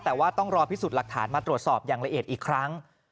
แต่ว่าต้องรอพิสูจน์หลักฐานมาตรวจสอบอย่างละเอียดอีกครั้ง